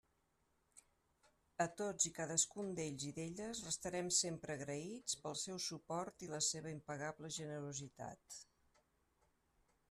A tots i a cadascun d'ells i d'elles restarem sempre agraïts pel seu suport i la seva impagable generositat.